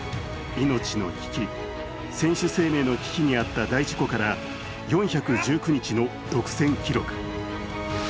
命の危機、選手生命の危機にあった大事故から４１９日の独占記録。